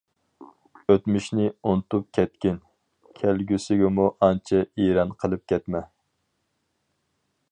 ئۆتمۈشنى ئۇنتۇپ كەتكىن، كەلگۈسىگىمۇ ئانچە ئېرەن قىلىپ كەتمە.